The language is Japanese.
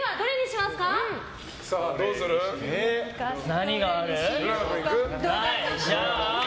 何がある？